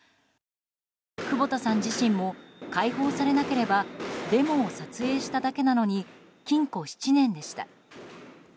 久保田さん自身も解放されなければデモを撮影しただけなのに禁錮７年でした。